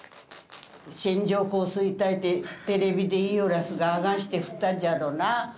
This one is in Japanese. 線状降水帯てテレビで言いよらすがあがんして降ったっじゃろな。